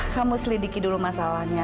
kamu selidiki dulu masalahnya